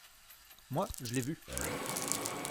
Moi, je l’ai vu.